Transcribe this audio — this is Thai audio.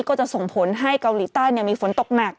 ก็จะส่งผลให้เกาหลีใต้มีฝนตกหนัก